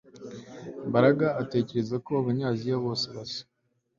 Mbaraga atekereza ko Abanyaziya bose basa